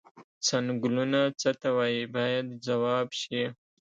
څنګلونه څه ته وایي باید ځواب شي.